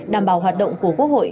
đảm bảo hoạt động của quốc hội